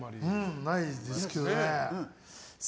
ないですけどね。